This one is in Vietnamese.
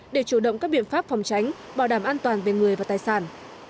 để chủ động các biện pháp phòng tránh bảo đảm an toàn về người và tài sản